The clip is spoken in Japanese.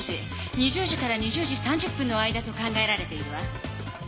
２０時２０時３０分の間と考えられているわ。